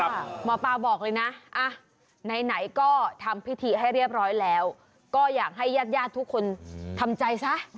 หมอปลาบอกเลยนะไหนก็ทำพิธีให้เรียบร้อยแล้วก็อยากให้ญาติญาติทุกคนทำใจซะ